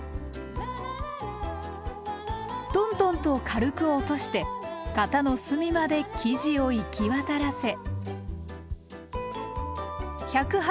トントンと軽く落として型の隅まで生地を行き渡らせ。